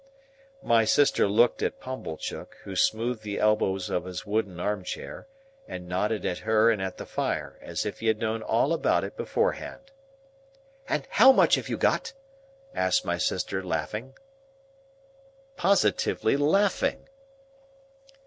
My sister looked at Pumblechook: who smoothed the elbows of his wooden arm chair, and nodded at her and at the fire, as if he had known all about it beforehand. "And how much have you got?" asked my sister, laughing. Positively laughing!